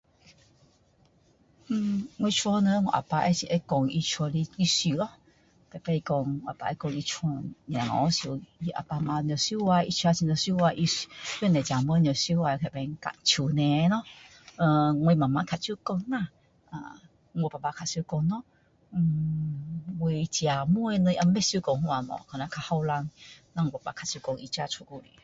嗯我家人我啊爸会讲他家的历史咯每次说我啊爸会说他小孩时他的家他啊爸啊妈有多辛苦他的兄弟姐妹有多辛苦在那边割树胶咯呃我妈妈比较讲啦我爸爸比较常讲咯呃我姐妹们也不常讲因为可能比较年轻所以不会说